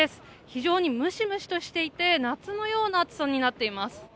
非常にムシムシとしていて夏のような暑さになっています。